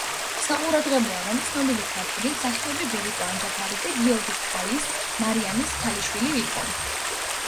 საყურადღებოა, რომ ცნობილი ქართველი მსახიობი ვერიკო ანჯაფარიძე გიორგის ქალის მარიამის ქალიშვილი იყო.